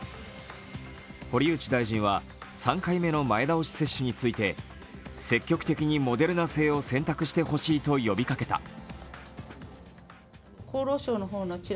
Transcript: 堀内大臣は３回目の前倒し接種について積極的にモデルナ製を選択してほしいと呼びかけました。